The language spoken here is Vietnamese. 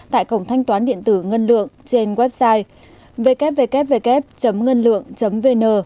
tại cổng thanh toán điện tử ngân lượng trên website www ngânlượng vn